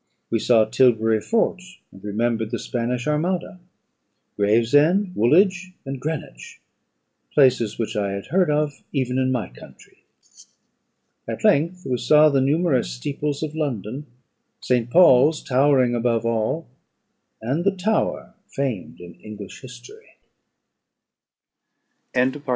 We saw Tilbury Fort, and remembered the Spanish armada; Gravesend, Woolwich, and Greenwich, places which I had heard of even in my country. At length we saw the numerous steeples of London, St. Paul's towering above all, and the Tower famed in English history. CHAPTER XIX.